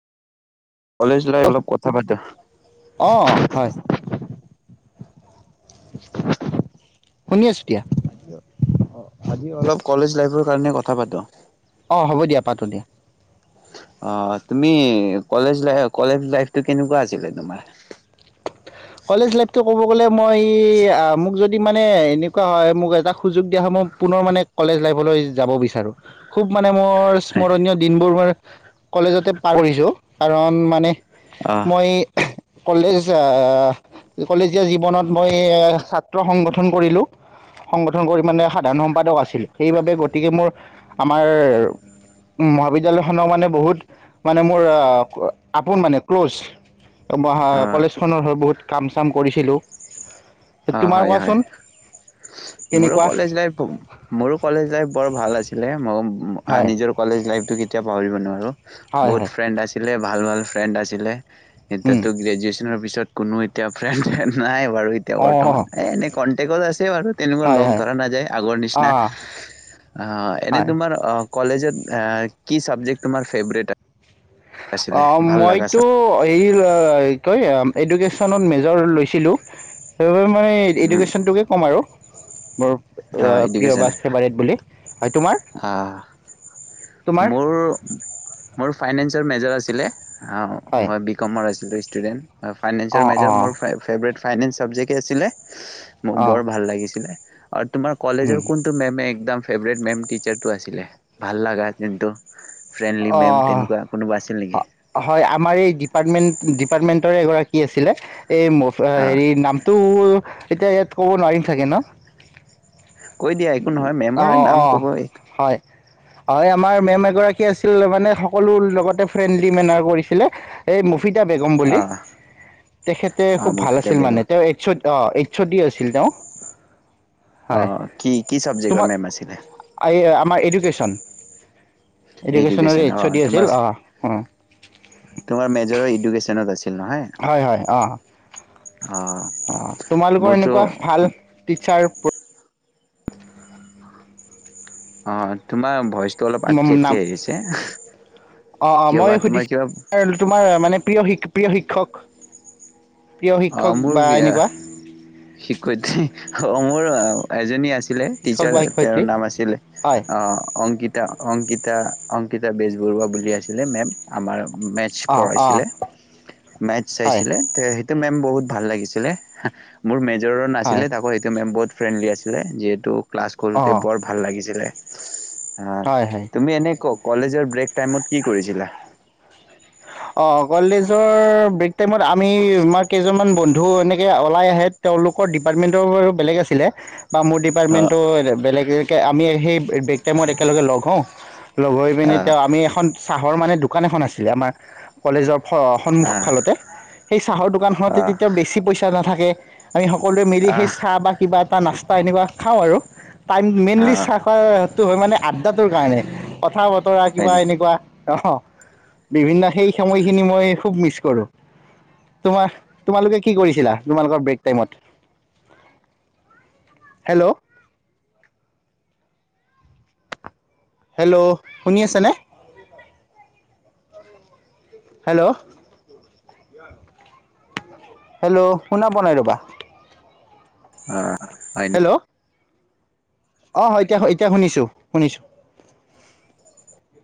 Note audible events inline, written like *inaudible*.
College life অলপ কথা পাতো। অ হয়। *inaudible* শুনিছোঁ দিয়া। আজি অলপ কলেজ লাইফৰ কাৰণে কথা পাতোঁ। অ' হ'ব দিয়া পাতো দিয়া। অ তুমি কলেজ লাই কলেজ লাইফটো কেনেকুৱা আছিলে তোমাৰ? কলেজ লাইফটো ক'ব গ'লে মই এই মোক যদি মানে এনেকুৱা হয় মোক এটা সুযোগ দিয়া হয় মই পুনৰ মানে কলেজ লাইফলৈ যাব বিচাৰোঁ! খুব মানে মোৰ স্মৰণীয় দিনবোৰ মই কলেজতে পাৰ কৰিছোঁ, কাৰণ মানে অ মই কলেজ আহ, কলেজীয়া জীৱনত মই এ ছাত্ৰ সংগঠন কৰিলো। সংগঠন কৰি মানে সাধাৰণ সম্পাদক আছিলো, সেইবাবে গতিকে মোৰ আমাৰ মহাবিদ্যলয় খনক মানে বহুত মানে মোৰ আপোন মানে ক্ল'জ? ই বহা, অ কলেজখনৰ হৈ বহুত কাম চাম কৰিছিলো। অ', হয়, হয়, মোৰো কেনেকুৱা কলেজ লাইফ মোৰো কলেজ লাইফ বৰ ভাল আছিলে, মই হয় আ-নিজৰ কলেজ লাইফটো কেতিয়া পাহৰিব নোৱাৰোঁ, হয় বহুত হয় ফ্ৰেণ্ড আছিলে ভাল ভাল ফ্ৰেণ্ড আছিলে। এতিয়াতো গ্ৰেজুৱেছনৰ পিছত কোনো এতিয়া ফ্ৰেণ্ড-ছ্ৰেণ্ড নাই বাৰু, এতিয়া ব অঁ এ এনেই কণ্টেকত আছে বাৰু। তেনেকুৱা হয় লগ হয় ধৰা নাযায় আগৰ নিচিনা, অঁ অ', এনে হয় তোমাৰ অ' কলেজত এ কি চাবজেক্ট তোমাৰ ফেভৰেট আ অ', মইতো চাব তই এডুকেছনত মেজৰ লৈছিলোঁ, সেইবাবে মই উম, এডুকেশ্যনটোকে ক'ম আৰু, মোৰ অ', প্ৰিয় এডুকেশ্যন বা ফেভাৰেট বুলি। হয়, তোমাৰ? অ'। তোমাৰ মোৰ, মোৰ ফাইনেন্সৰ মেজাৰ আছিলে। আ হয় মই বি কমৰ আছিলো ষ্টুডেন্ট, ফাইনেন্সৰ অঁ মেজ অঁ মোৰ ফাই ফেভৰেট ফাইনেন্স চাবজেক্টে আছিলে মোৰ অঁ বৰ ভাল লাগিছেলে, আৰু তোমাৰ কলেজৰ কোন মেমে একদম ফেভৰেট মেম টিচাৰটো আছিলে, ভাল লগা জোনটো ফ্ৰেণ্ডলি মেম অঁ তেনেকুৱা কোনোবা আছিল নেকি? হয় আমাৰ এই ডিপাৰ্টমেন্ট ন্ডিপাৰ্টমেন্টৰে এগৰাকী আছিলে, এই অ', মৌ-হেৰি নাম তো এতিয়া ইয়াত ক'ব নোৱাৰিম চাগে ন? কৈ দিয়া একো নহয় অঁ মেমৰে নাম অঁ ক'বই। হয় হয় আমাৰ মেম এগৰাকী আছিল মানে সকলো লগতে ফ্ৰেণ্ডলি মেনাৰ কৰিছিলে। এই মুফিদা বেগম বুলি, অ', তেখেতে অ', খুব ভাল মুফিদা আছিল বেগম। মানে তেওঁ এইচ অ' অ' এইছ' দি আছিল তেওঁ। হয় অ', কি, কি চাবজেক্টৰ তোমাৰ মেম আছিলে? এই আমাৰ এডুকেশ্যন, এডুকেশ্যন এডুকেশ্যনৰে এইচছ অ', দি তোমাৰ আছিল অ', অ'। তোমাৰ মেজৰ ইডুকেশ্যনত আছিল নহয়? হয় হয়, অ', অ', অ', তোমালোকৰ মোৰতো এনেকুৱা ভাল টিচাৰ প্ৰ অ', তোমাৰ ভইচটো অলপ আটকি, নাম আটকি আহিছে। অ', অ', কিয় বা মই তোমাৰ কিবা সুধিছো তোমাৰ মানে প্ৰিয়, প্ৰিয় শিক্ষক? প্ৰিয় অ', শিক্ষক মোৰ বা এনেকুৱা। শিক্ষয়িত্ৰী, অ', মোৰ এজনী আছিলে শিক্ষক টিচাৰ, বা তেওঁৰ শিক্ষয়িত্ৰী নাম আছিলে হয় অংকিত তা, অংকিতা, অংকিতা বেজবৰুৱা বুলি আছিলে মেম আমাৰ মে অ অ পঢ়াইছিলে, মেথছ হয় চাইছিলে। সেইটো মেম বহুত ভাল লাগিছিলে, মোৰ মেজৰৰ হয় নাছিলে তাকো সেইটো মেম বহুত ফ্ৰেণ্ডলি আছিলে যিহেতু ক্লাছ অ কৰোঁতে বৰ ভাল লাগিছিলে। হয়, তুমি এনে ক-কলেজৰ ব্ৰেক টাইমত কি কৰিছিলা? অ', কলেজৰ ব্ৰেক টাইমত আমি আমাৰ কেইজনমান বন্ধু এনেকে ওলাই আহে। তেওঁলোকৰ ডিপাৰ্টমেণ্টৰ বেলেগ আছিলে বা মোৰ অ ডিপাৰ্টমেণ্টটো বেলেগে আমি সেই ব্ৰেগ টাইমত একেলগে লগ হওঁ লগ হৈ পিনে আহ তেওঁ আমি এখন চাহৰ মানে দোকান এখন আছিলে আমাৰ। কলেজৰ সন্মুখ আহ ফালতে, সেই চাহৰ দোকানখনতে তেতিয়া বেছি পইচা নাথাকে আমি সকলোৱে মিলি সেই আহ চাহ বা কিবা এটা নাস্তা এনেকুৱা খাওঁ আৰু টাইম আহ মেইনলি আহ চাহ খ টো, হয় মানে আড্ডাটোৰ কাৰণে কথা -বতৰা কিবা হয়নি এনেকুৱা অ'। বিভিন্ন সেই সময়খিনি মই খুব মিচ কৰোঁ। তোমাৰ তোমালোকে কি কৰিছিলা? তোমালোকৰ ব্ৰেক টাইমত? হেল্ল'। হেল্ল' শুনি আছেনে? হেল্ল'। হেল্ল' শুনা পোৱা নাই ৰ'বা। উ *unintelligible* হেল্ল'। অ' হয় এতিয়া, এতিয়া শুনিছো, শুনিছোঁ।